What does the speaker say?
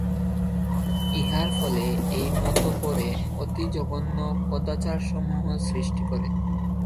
ইহার ফলে এই মত পরে অতি জঘন্য কদাচারসমূহ সৃষ্টি করে।